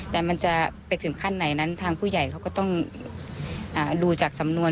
แต่มันจะไปถึงขั้นไหนนั้นทางผู้ใหญ่เขาก็ต้องดูจากสำนวน